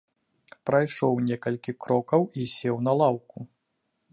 Прайшоў некалькі крокаў і сеў на лаўку.